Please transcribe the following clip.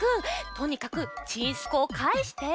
とにかくちんすこうかえして。